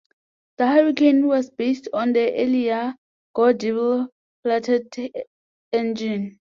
The Hurricane was based on the earlier Go-Devil flathead engine.